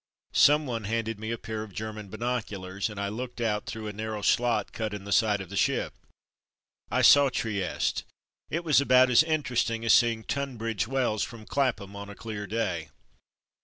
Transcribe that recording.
Someone handed me a pair of German binoculars, and I looked out through a narrow slot cut in the side of the ship. I saw Trieste. It was about as interesting as seeing Tunbridge Wells from Clapham on a clear day.